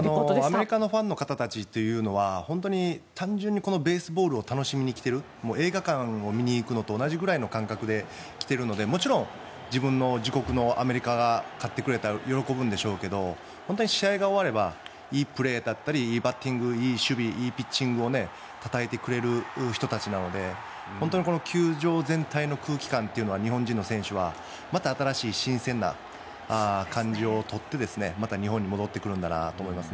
アメリカのファンの方たちというのは本当に単純にこのベースボールを楽しみに来ている映画を見るのと同じぐらいの感覚で来ているのでもちろん自分の自国のアメリカが勝ってくれたら喜ぶんでしょうけど本当に試合が終わればいいプレーだったりいいバッティング、いい守備いいピッチングをたたえてくれる人たちなので本当に球場全体の空気感というのは日本人の選手はまた新しい新鮮な感じを取ってまた日本に戻ってくるんだなと思います。